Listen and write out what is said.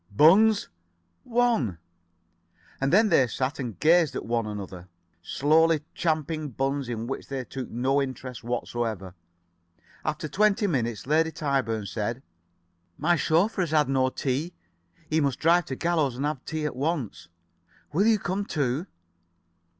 "Buns?" "One." And then they sat and gazed at one another, slowly champing buns in which they took no interest whatever. After twenty minutes Lady Tyburn said: "My chauffeur has had no tea. He must drive to Gallows and have tea at once. Will you come too?"